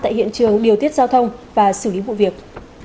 tại hiện trường điều tiết giao thông và xử lý vụ việc